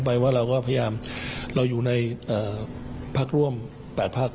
แล้วอยู่ในภาคร่วม๘ภาค